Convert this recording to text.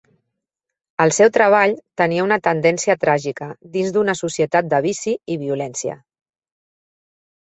El seu treball tenia una tendència tràgica, dins d"una societat de vici i violència.